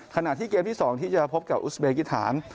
ขณะที่เกมที่๒ที่จะพบกับอุสเบกิฐาน